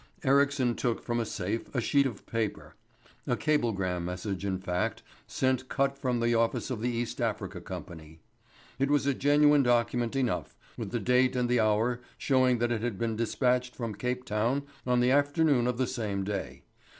Ericsson took from a safe a sheet of paper a cablegram message, in fact, sent cut from the office of the East Africa company. It was a genuine document enough, with the date and the hour showing that it had been dispatched from Cape Town on the afternoon of the same day.